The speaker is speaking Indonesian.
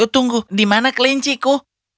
tunggu di mana kelinciku